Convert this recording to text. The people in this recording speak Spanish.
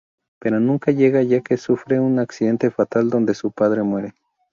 Pero nunca llega ya que sufre un accidente fatal donde su padre muere.